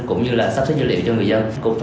cũng như là sắp xếp dữ liệu cho người dân